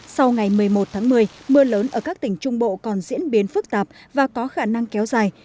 sau ngày một mươi một tháng một mươi mưa lớn ở các tỉnh trung bộ còn diễn biến phức tạp và có khả năng kéo dài